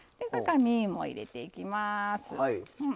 身も入れていきます。